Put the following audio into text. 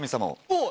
おっ！